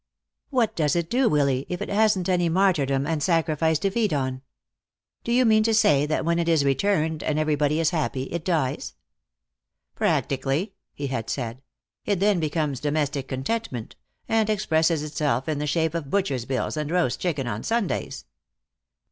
"What does it do, Willy, if it hasn't any martyrdom and sacrifice to feed on? Do you mean to say that when it is returned and everybody is happy, it dies?" "Practically," he had said. "It then becomes domestic contentment, and expresses itself in the shape of butcher's bills and roast chicken on Sundays."